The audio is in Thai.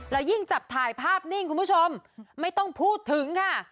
แล้วยิ่งจับถ่ายภาพนิ่งคุณผู้ชมไม่ต้องพูดถึงค่ะ